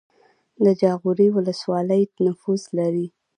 د جاغوری ولسوالۍ نفوس لري